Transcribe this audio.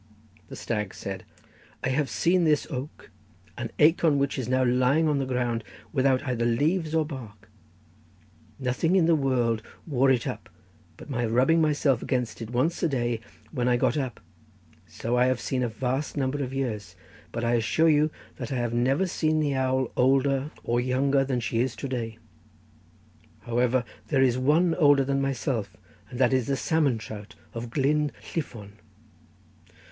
The stag said: 'I have seen this oak an acorn which is now lying on the ground without either leaves or bark: nothing in the world wore it up but my rubbing myself against it once a day when I got up, so I have seen a vast number of years, but I assure you that I have never seen the owl older or younger than she is to day. However, there is one older than myself, and that is the salmon trout of Glyn Llifon.